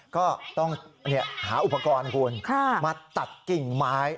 ก็ต้องหาอุปกรณ์คุณมาตัดกิ่งไม้